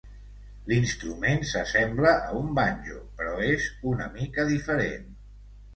L'instrument s'assembla a un banjo però és una mica diferent.